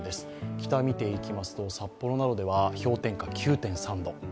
北、見ていきますと札幌などでは氷点下９．３度。